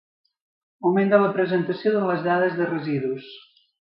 Moment de la presentació de les dades de residus.